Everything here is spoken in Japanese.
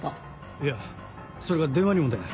いやそれが電話にも出ない。